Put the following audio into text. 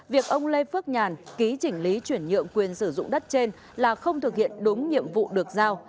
việc ông lê phước nhàn ký chỉnh lý chuyển nhượng quyền sử dụng đất trên là không thực hiện đúng nhiệm vụ được giao